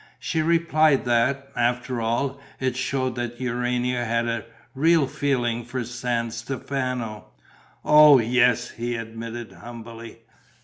She replied that, after all, it showed that Urania had a real feeling for San Stefano. "Oh, yes!" he admitted, humbly.